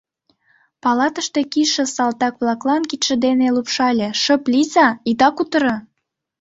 Палатыште кийыше салтак-влаклан кидше дене лупшале: «Шып лийза, ида кутыро!..»